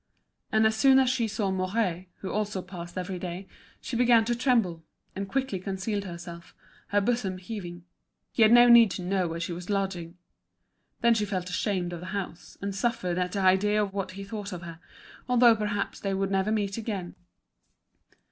And as soon as she saw Mouret, who also passed every day, she began to tremble, and quickly concealed herself, her bosom heaving. He had no need to know where she was lodging. Then she felt ashamed of the house, and suffered at the idea of what he thought of her, although perhaps they would never meet again.